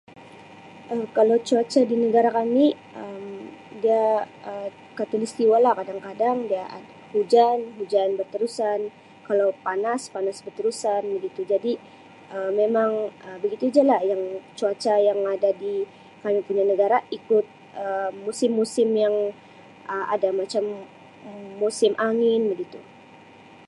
Um Kalau cuaca di negara kami Um dia Um khatulistiwa lah kadang-kadang dia hujan, hujan berterusan. Kalau panas, panas berterusan begitu jadi Um memang begitu ja lah cuaca yang ada di kami punya negara Um ikut musim-musim yang Um ada macam musim angin begitu.